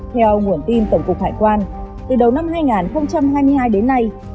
theo nguồn tin tổng cục hải quan từ đầu năm hai nghìn hai mươi hai đến nay